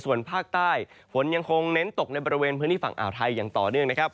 ส่วนภาคใต้ฝนยังคงเน้นตกในบริเวณพื้นที่ฝั่งอ่าวไทยอย่างต่อเนื่องนะครับ